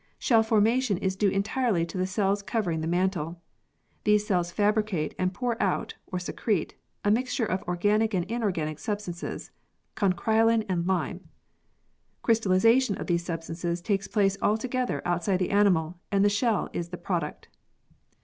Shell formation is due entirely to the cells covering the mantle. These cells fabricate and pour out (or secrete) a mixture of organic and inorganic substances (conchyolin and lime). Crystallisation of these substances takes place altogether outside the animal and the shell is the product.